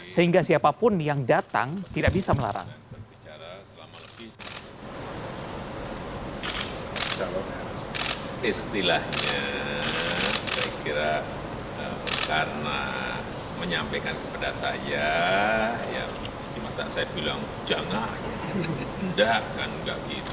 sehingga siapapun yang datang tidak bisa melarang